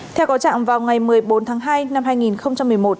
theo có trạng vào ngày một mươi bốn tháng hai năm hai nghìn một mươi một